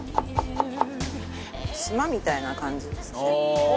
ツマみたいな感じですね。